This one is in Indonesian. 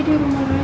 di rumah raja